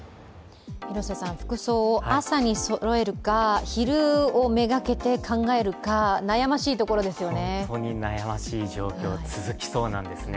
服装を、朝にそろえるか昼をめがけて考えるか本当に悩ましい状況、続きそうなんですね。